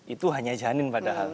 itu hanya janin padahal